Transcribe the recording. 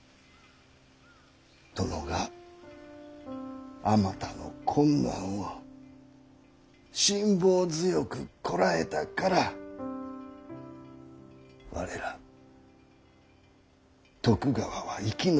殿があまたの困難を辛抱強くこらえたから我ら徳川は生き延びられたのです。